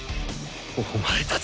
お前たち。